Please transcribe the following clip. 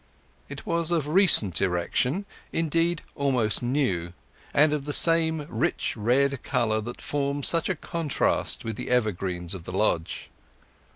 It was of recent erection—indeed almost new—and of the same rich red colour that formed such a contrast with the evergreens of the lodge.